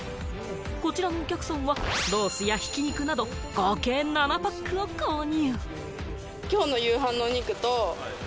こちらのお客さんはロースや挽肉など合計７パックを購入。